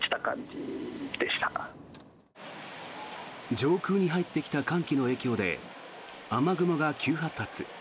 上空に入ってきた寒気の影響で雨雲が急発達。